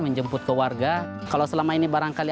menjemput ke warga kalau selama ini barangkali